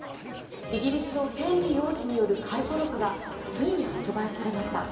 イギリスのヘンリー王子による回顧録がついに発売されました。